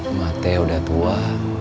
umatnya udah tua